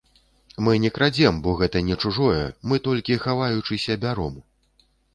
Мы не крадзём, бо гэта не чужое, мы толькі, хаваючыся, бяром!